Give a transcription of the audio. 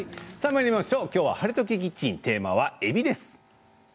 きょうは「ハレトケキッチン」テーマは、えびです。